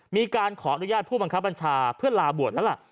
มีการขออนุญาตผู้บังคับบัญชาเพื่อลาบวชแล้วล่ะ